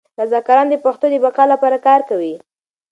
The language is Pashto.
رضاکاران د پښتو د بقا لپاره کار کوي.